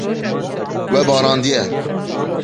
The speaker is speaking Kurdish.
We barandiye.